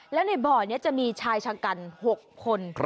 แล้วในบ่อนี้จะมีชายชะกัน๖คน